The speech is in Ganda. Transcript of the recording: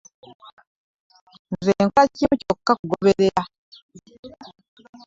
Nze nkola kimu kya kugoberera.